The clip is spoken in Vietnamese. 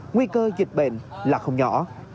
nguy cơ dịch bệnh là không nhỏ